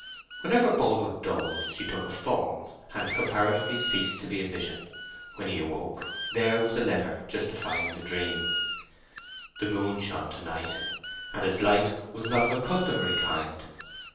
Whenever Boldwood dozed she took a form, and comparatively ceased to be a vision: when he awoke there was the letter justifying the dream. The moon shone to night, and its light was not of a customary kind.